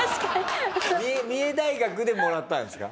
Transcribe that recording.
三重大学でもらったんですか？